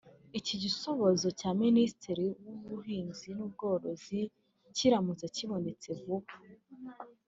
Iki gisubozo cya Minisiteri y’Ubuhinzi n’Ubworozi kiramutse kibonetse vuba